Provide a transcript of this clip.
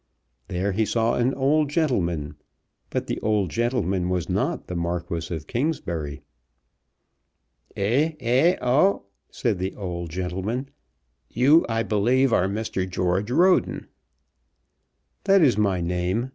There he saw an old gentleman; but the old gentleman was not the Marquis of Kingsbury. "Ah, eh, oh," said the old gentleman. "You, I believe, are Mr. George Roden." "That is my name.